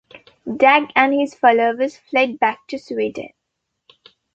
Dag and his followers fled back to Sweden.